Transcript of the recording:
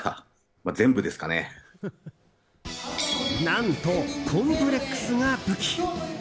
何と、コンプレックスが武器。